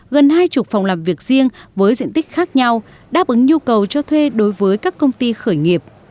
gần hai mươi phòng làm việc riêng với diện tích khác nhau đáp ứng nhu cầu cho thuê đối với các công ty khởi nghiệp